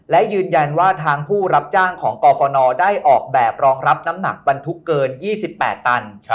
และยืนยันว่าทางผู้รับจ้างของกรฟนได้ออกแบบรองรับน้ำหนักบรรทุกเกิน๒๘ตัน